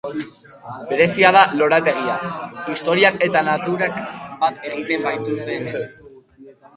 Berezia da lorategia, historiak eta naturak bat egiten baitute hemen.